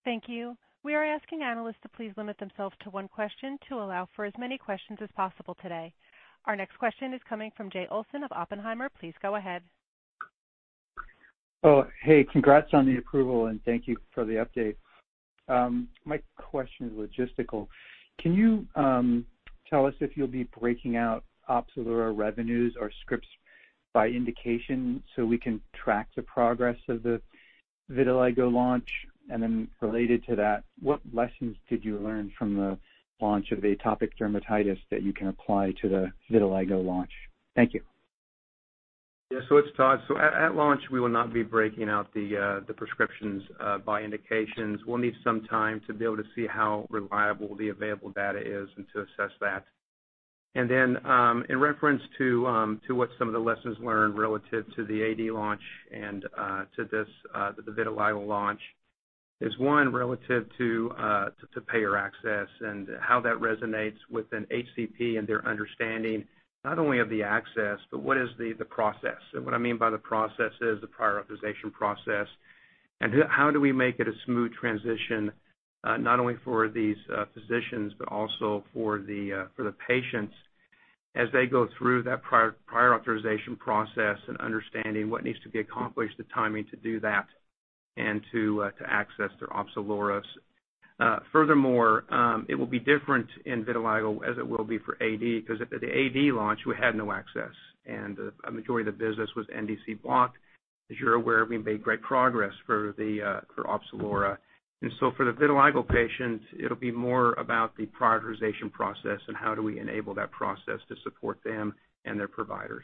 Thank you. We are asking analysts to please limit themselves to one question to allow for as many questions as possible today. Our next question is coming from Jay Olson of Oppenheimer. Please go ahead. Oh, hey, congrats on the approval, and thank you for the update. My question is logistical. Can you tell us if you'll be breaking out Opzelura revenues or scripts by indication so we can track the progress of the vitiligo launch? Related to that, what lessons did you learn from the launch of atopic dermatitis that you can apply to the vitiligo launch? Thank you. It's Todd. At launch, we will not be breaking out the prescriptions by indications. We'll need some time to be able to see how reliable the available data is and to assess that. In reference to what some of the lessons learned relative to the AD launch and to this vitiligo launch is one, relative to payer access and how that resonates with an HCP and their understanding not only of the access, but what is the process. What I mean by the process is the prior authorization process and how do we make it a smooth transition, not only for these physicians, but also for the patients as they go through that prior authorization process and understanding what needs to be accomplished, the timing to do that, and to access their Opzelura. Furthermore, it will be different in vitiligo as it will be for AD because at the AD launch, we had no access, and a majority of the business was NDC blocked. As you're aware, we made great progress for Opzelura. For the vitiligo patients, it'll be more about the prior authorization process and how do we enable that process to support them and their providers.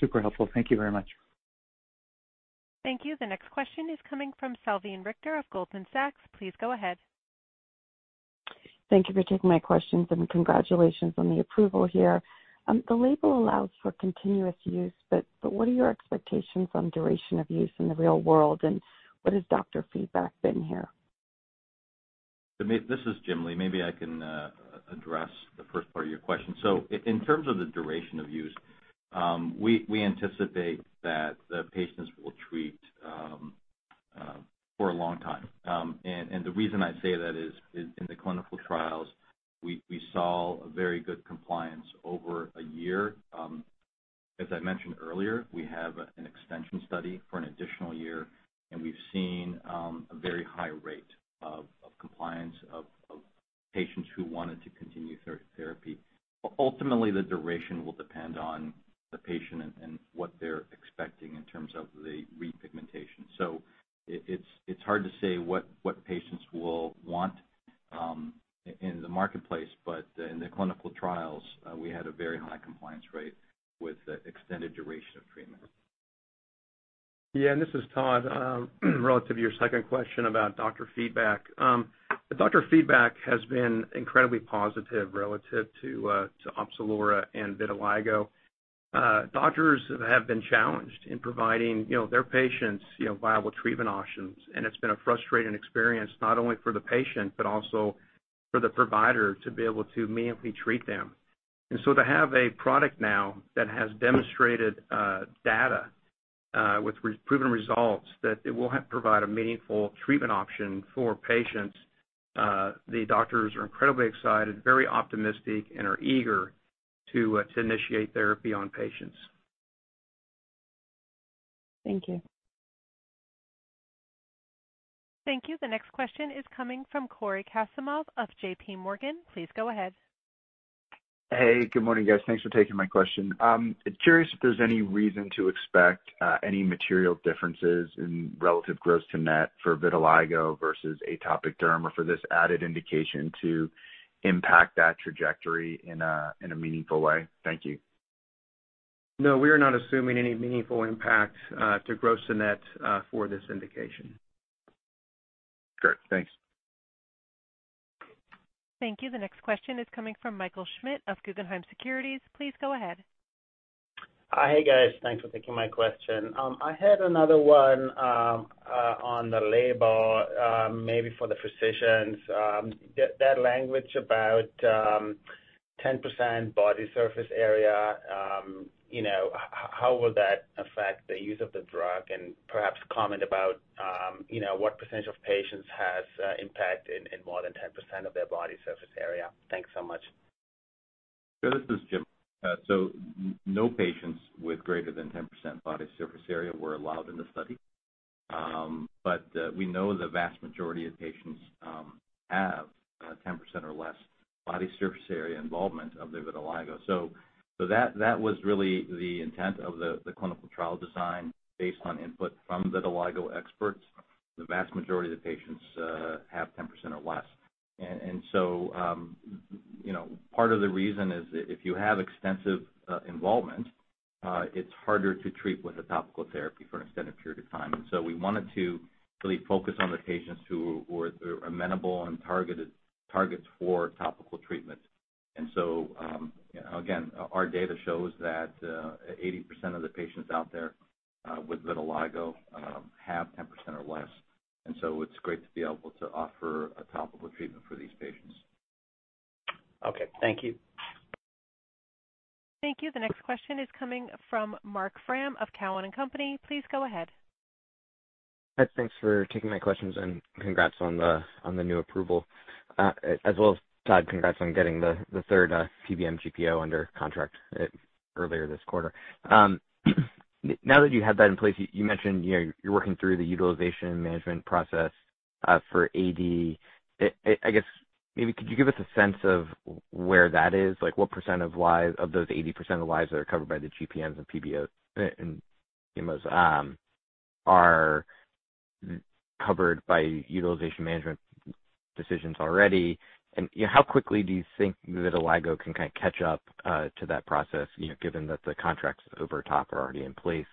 Super helpful. Thank you very much. Thank you. The next question is coming from Salveen Richter of Goldman Sachs. Please go ahead. Thank you for taking my questions, and congratulations on the approval here. The label allows for continuous use, but what are your expectations on duration of use in the real world, and what has doctor feedback been here? This is Jim Lee. Maybe I can address the first part of your question. In terms of the duration of use, we anticipate that the patients will treat for a long time. The reason I say that is in the clinical trials, we saw a very good compliance over a year. As I mentioned earlier, we have an extension study for an additional year, and we've seen a very high rate of compliance of patients who wanted to continue therapy. Ultimately, the duration will depend on the patient and what they're expecting in terms of the repigmentation. It's hard to say what patients will want in the marketplace. In the clinical trials, we had a very high compliance rate with the extended duration of treatment. Yeah, this is Todd. Relative to your second question about doctor feedback. The doctor feedback has been incredibly positive relative to Opzelura and vitiligo. Doctors have been challenged in providing, you know, their patients, you know, viable treatment options, and it's been a frustrating experience not only for the patient, but also for the provider to be able to meaningfully treat them. To have a product now that has demonstrated data with proven results that it will provide a meaningful treatment option for patients, the doctors are incredibly excited, very optimistic, and are eager to initiate therapy on patients. Thank you. Thank you. The next question is coming from Cory Kasimov of JP Morgan. Please go ahead. Hey, good morning, guys. Thanks for taking my question. Curious if there's any reason to expect any material differences in relative gross to net for vitiligo versus atopic derm, or for this added indication to impact that trajectory in a meaningful way. Thank you. No, we are not assuming any meaningful impact to gross to net for this indication. Great. Thanks. Thank you. The next question is coming from Michael Schmidt of Guggenheim Securities. Please go ahead. Hey, guys. Thanks for taking my question. I had another one on the label, maybe for the physicians. That language about 10% body surface area, you know, how will that affect the use of the drug? Perhaps comment about, you know, what percentage of patients has impact in more than 10% of their body surface area. Thanks so much. This is Jim. No patients with greater than 10% body surface area were allowed in the study. We know the vast majority of patients have 10% or less body surface area involvement of their vitiligo. That was really the intent of the clinical trial design based on input from vitiligo experts. The vast majority of the patients have 10% or less. You know, part of the reason is if you have extensive involvement, it's harder to treat with a topical therapy for an extended period of time. We wanted to really focus on the patients who were amenable and targets for topical treatment. Again, our data shows that 80% of the patients out there with vitiligo have 10% or less. It's great to be able to offer a topical treatment for these patients. Okay. Thank you. Thank you. The next question is coming from Marc Frahm of TD Cowen. Please go ahead. Hi. Thanks for taking my questions and congrats on the new approval as well as Todd, congrats on getting the third PBM GPO under contract earlier this quarter. Now that you have that in place, you mentioned, you know, you're working through the utilization management process for AD. I guess, maybe could you give us a sense of where that is? Like, what percent of lives of those 80% of lives that are covered by the GPOs and PBMs and HMOs are covered by utilization management decisions already? You know, how quickly do you think vitiligo can kind of catch up to that process, you know, given that the contracts over top are already in place?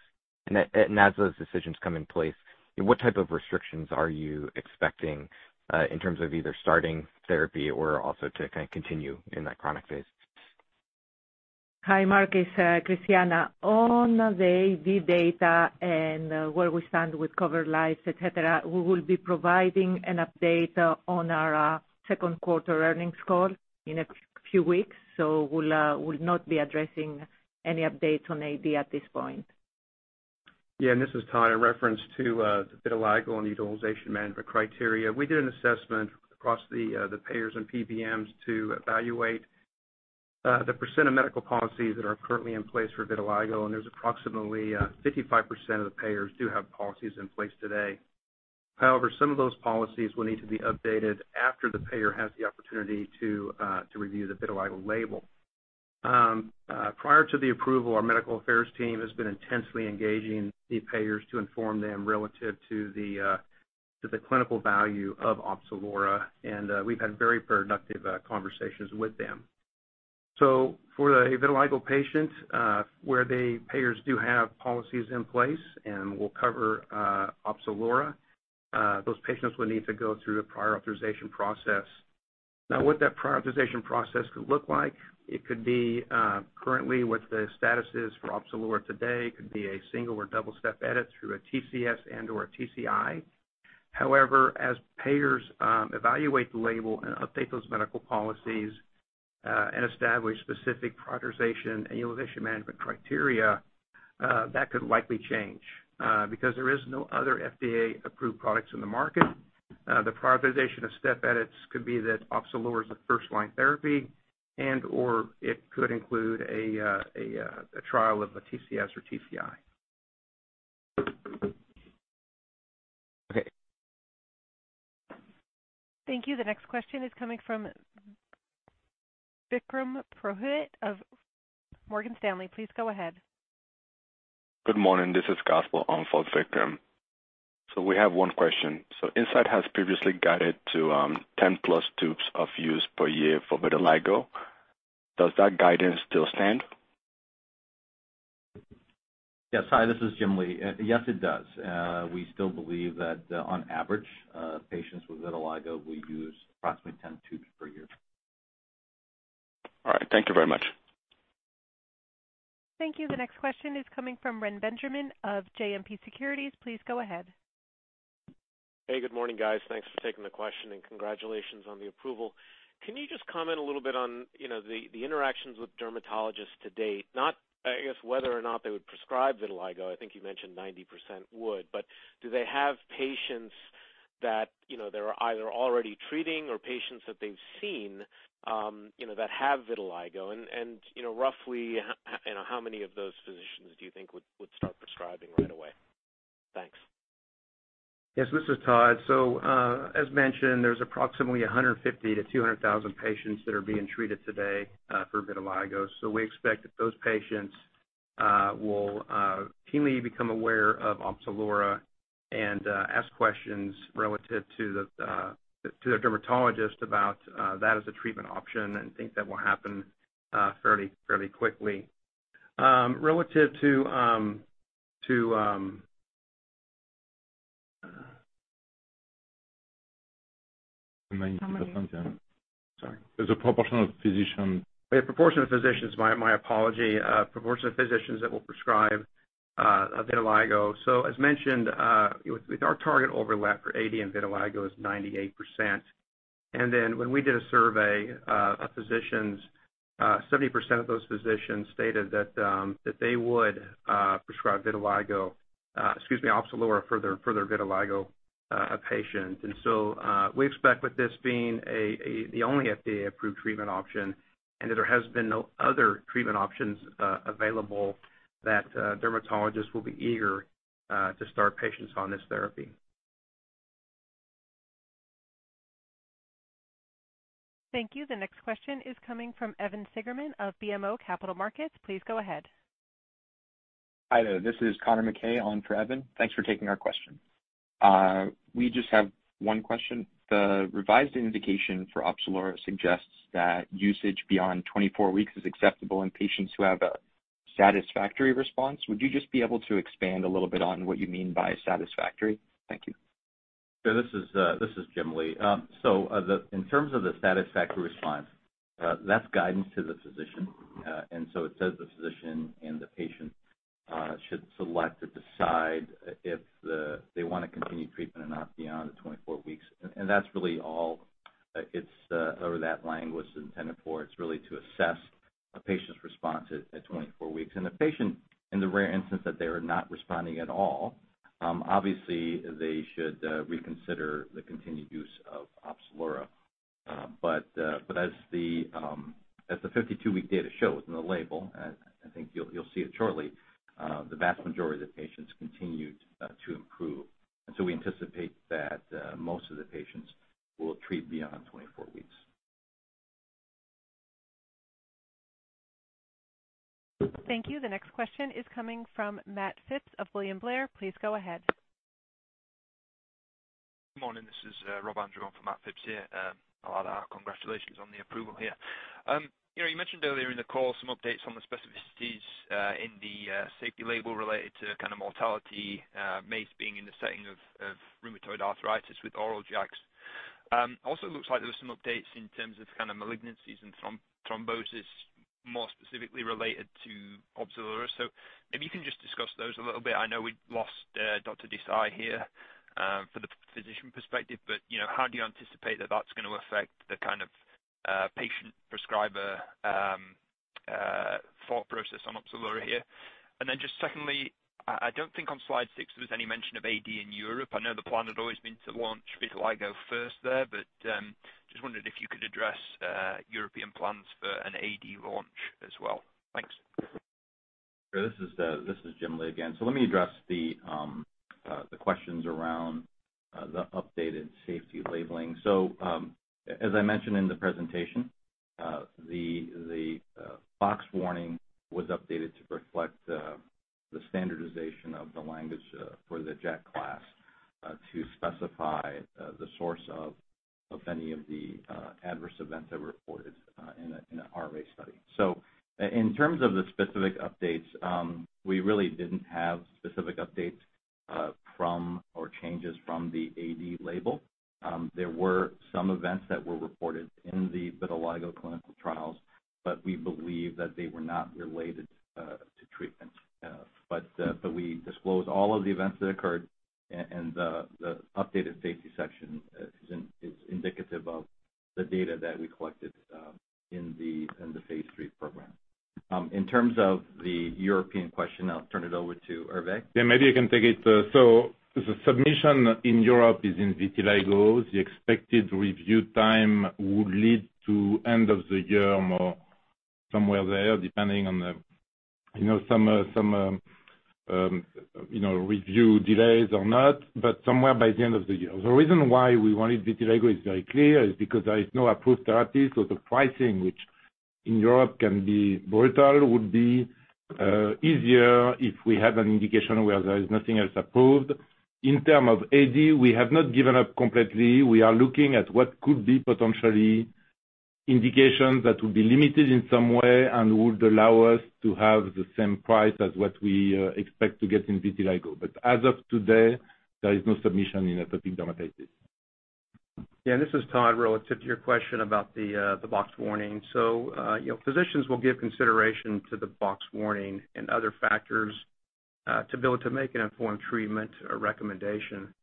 As those decisions come in place, what type of restrictions are you expecting, in terms of either starting therapy or also to kind of continue in that chronic phase? Hi, Marc Frahm. It's Cristiana. On the AD data and where we stand with covered lives, et cetera, we will be providing an update on our Q2 earnings call in a few weeks. We'll not be addressing any updates on AD at this point. This is Todd. In reference to the Vitiligo and the utilization management criteria, we did an assessment across the payers and PBMs to evaluate the percent of medical policies that are currently in place for Vitiligo, and there's approximately 55% of the payers do have policies in place today. However, some of those policies will need to be updated after the payer has the opportunity to review the Vitiligo label. Prior to the approval, our medical affairs team has been intensely engaging the payers to inform them relative to the clinical value of Opzelura, and we've had very productive conversations with them. For the Vitiligo patients where the payers do have policies in place and will cover Opzelura, those patients will need to go through a prior authorization process. Now, what that prior authorization process could look like, it could be currently what the status is for Opzelura today. It could be a single or double step edit through a TCS and/or a TCI. However, as payers evaluate the label and update those medical policies, and establish specific prioritization and utilization management criteria, that could likely change. Because there is no other FDA-approved products in the market, the prioritization of step edits could be that Opzelura is a first-line therapy and/or it could include a trial of a TCS or TCI. Okay. Thank you. The next question is coming from Vikram Purohit of Morgan Stanley. Please go ahead. Good morning. This is Kaspar on for Vikram. We have one question. Incyte has previously guided to 10+ tubes of use per year for vitiligo. Does that guidance still stand? Yes. Hi, this is Jim Lee. Yes, it does. We still believe that on average, patients with vitiligo will use approximately 10 tubes per year. All right. Thank you very much. Thank you. The next question is coming from Reni Benjamin of JMP Securities. Please go ahead. Hey, good morning, guys. Thanks for taking the question and congratulations on the approval. Can you just comment a little bit on, you know, the interactions with dermatologists to date? Not, I guess, whether or not they would prescribe vitiligo, I think you mentioned 90% would, but do they have patients that, you know, they are either already treating or patients that they've seen, you know, that have vitiligo? You know, roughly how many of those physicians do you think would start prescribing right away? Thanks. Yes, this is Todd. As mentioned, there's approximately 150-200 thousand patients that are being treated today for vitiligo. We expect that those patients will keenly become aware of Opzelura and ask questions relative to their dermatologist about that as a treatment option and think that will happen fairly quickly. Relative to... How many- Sorry. As a proportion of physician- Yeah, proportion of physicians. My apology. Proportion of physicians that will prescribe vitiligo. As mentioned, with our target overlap for AD and vitiligo is 98%. Then when we did a survey of physicians, 70% of those physicians stated that they would prescribe vitiligo, excuse me, Opzelura for their vitiligo patient. We expect with this being the only FDA-approved treatment option and that there has been no other treatment options available that dermatologists will be eager to start patients on this therapy. Thank you. The next question is coming from Evan Seigerman of BMO Capital Markets. Please go ahead. Hi there. This is Connor MacKay on for Evan. Thanks for taking our question. We just have one question. The revised indication for Opzelura suggests that usage beyond 24 weeks is acceptable in patients who have a satisfactory response. Would you just be able to expand a little bit on what you mean by satisfactory? Thank you. This is Jim Lee. In terms of the satisfactory response, that's guidance to the physician. It says the physician and the patient should select or decide if they wanna continue treatment or not beyond the 24 weeks. That's really all that line was intended for. It's really to assess a patient's response at 24 weeks. The patient, in the rare instance that they are not responding at all, obviously they should reconsider the continued use of Opzelura. As the 52-week data shows in the label, I think you'll see it shortly, the vast majority of the patients continued to improve. We anticipate that most of the patients will treat beyond 24 weeks. Thank you. The next question is coming from Matt Phipps of William Blair. Please go ahead. Good morning. This is Rob Andrew in for Matt Phipps here. I'll add our congratulations on the approval here. you know, you mentioned earlier in the call some updates on the specificities in the safety label related to kind of mortality, MACE being in the setting of rheumatoid arthritis with oral JAKs. also looks like there were some updates in terms of kind of malignancies and thrombosis, more specifically related to Opzelura. maybe you can just discuss those a little bit. I know we lost Dr. Desai here for the physician perspective, but you know, how do you anticipate that that's gonna affect the kind of patient-prescriber thought process on Opzelura here? just secondly, I don't think on slide six there was any mention of AD in Europe. I know the plan had always been to launch vitiligo first there, but just wondered if you could address European plans for an AD launch as well? Thanks. This is Jim Lee again. Let me address the questions around the updated safety labeling. As I mentioned in the presentation, the box warning was updated to reflect the standardization of the language for the JAK class to specify the source of any of the adverse events that were reported in a RA study. In terms of the specific updates, we really didn't have specific updates from, or changes from the AD label. There were some events that were reported in the vitiligo clinical trials, but we believe that they were not related to treatment. We disclosed all of the events that occurred and the updated safety section is indicative of the data that we collected in the phase 3 program. In terms of the European question, I'll turn it over to Hervé. Yeah, maybe I can take it. The submission in Europe is in vitiligo. The expected review time would lead to end of the year or more, somewhere there, depending on the, you know, some you know, review delays or not, but somewhere by the end of the year. The reason why we wanted vitiligo is very clear. It's because there is no approved therapies, so the pricing, which in Europe can be brutal, would be easier if we had an indication where there is nothing else approved. In terms of AD, we have not given up completely. We are looking at what could be potentially indications that would be limited in some way and would allow us to have the same price as what we expect to get in vitiligo. As of today, there is no submission in atopic dermatitis. Yeah, this is Todd. Relative to your question about the box warning. You know, physicians will give consideration to the box warning and other factors to be able to make an informed treatment or recommendation.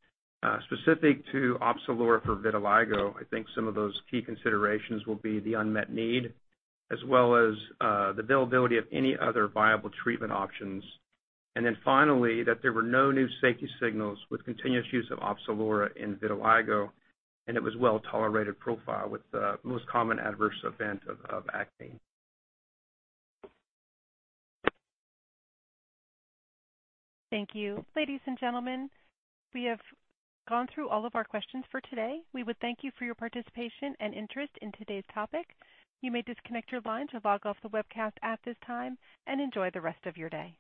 Specific to Opzelura for vitiligo, I think some of those key considerations will be the unmet need, as well as the availability of any other viable treatment options. Then finally, that there were no new safety signals with continuous use of Opzelura in vitiligo, and it was well-tolerated profile with the most common adverse event of acne. Thank you. Ladies and gentlemen, we have gone through all of our questions for today. We would thank you for your participation and interest in today's topic. You may disconnect your line to log off the webcast at this time, and enjoy the rest of your day.